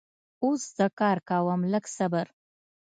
اوس زه کار کوم لږ صبر